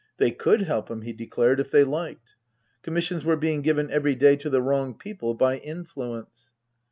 They could help him, he declared, if they liked. Commissions were being given every day to the wrong people, by influence.